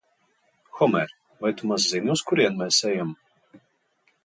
Homēr, vai tu maz zini, uz kurieni mēs ejam?